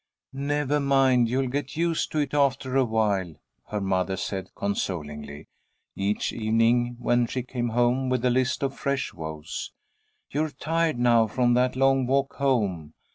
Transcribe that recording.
"Never mind! You'll get used to it after awhile," her mother said, consolingly, each evening when she came home with a list of fresh woes. "You're tired now from that long walk home.